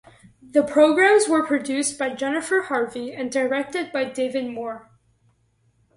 The programs were produced by Jennifer Harvey and directed by David Moore.